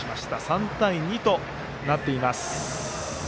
３対２となっています。